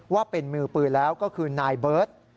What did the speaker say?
ว่าเป็นมือปืนแล้วก็คือนายเบิร์ต